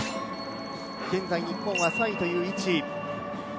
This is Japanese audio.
現在、日本は３位という位置。